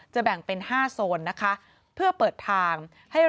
แบ่งเป็น๕โซนนะคะเพื่อเปิดทางให้